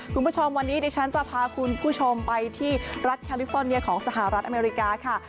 คุณผู้ชมวันนี้ดิฉันจะพาคุณผู้ชมไปที่รัฐแคลิฟอร์เนียของสหรัฐอเมริกาค่ะ